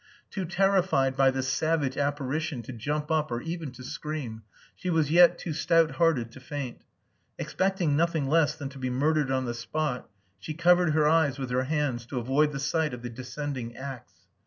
Too terrified by this savage apparition to jump up or even to scream, she was yet too stout hearted to faint.... Expecting nothing less than to be murdered on the spot she covered her eyes with her hands to avoid the sight of the descending axe.